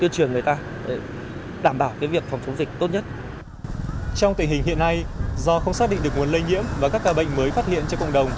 trong tình hình hiện nay do không xác định được nguồn lây nhiễm và các ca bệnh mới phát hiện cho cộng đồng